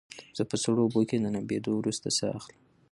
زه په سړو اوبو کې د لامبېدو وروسته ساه اخلم.